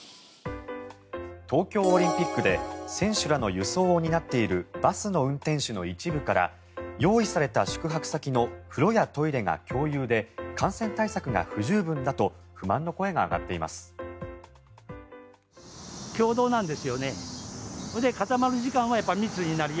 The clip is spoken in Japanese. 東京オリンピックで選手らの輸送を担っているバスの運転手の一部から用意された宿泊先の風呂やトイレが共有で感染対策が不十分だと不満の声が上がっています。